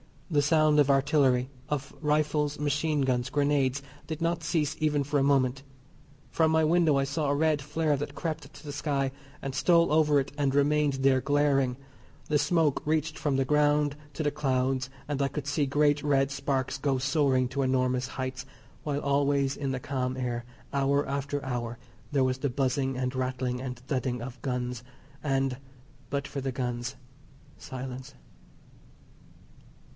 The sound of artillery, of rifles, machine guns, grenades, did not cease even for a moment. From my window I saw a red flare that crept to the sky, and stole over it and remained there glaring; the smoke reached from the ground to the clouds, and I could see great red sparks go soaring to enormous heights; while always, in the calm air, hour after hour there was the buzzing and rattling and thudding of guns, and, but for the guns, silence.